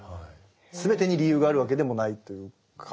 すべてに理由があるわけでもないというか。